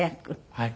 はい。